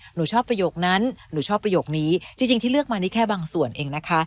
หนูชอบประโยคนั้นหนูชอบประโยคนี้จริงที่เลือกมานี่แค่บางส่วนเองนะคะ